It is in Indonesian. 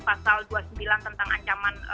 pasal dua puluh sembilan tentang ancaman